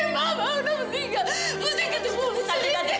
mampukin mama mesti ketemu sama mama